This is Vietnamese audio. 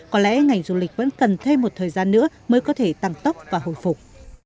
có lẽ ngành du lịch vẫn cần thêm một thời gian nữa mới có thể tăng tốc và hồi phục